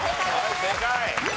正解！